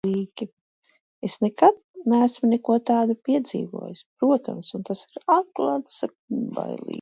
Es nekad neesmu neko tādu piedzīvojusi, protams, un tas ir, atklāti sakot, bailīgi.